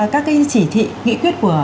các cái chỉ thị nghị quyết của